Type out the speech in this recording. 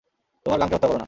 তোমার গানকে হত্যা কর না।